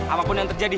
apapun yang terjadi